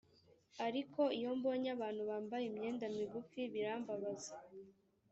ariko iyo mbonye abantu bambaye imyenda migufi birambabaza